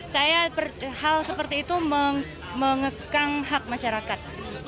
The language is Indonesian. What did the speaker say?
saya hal seperti itu mengekang hak masyarakat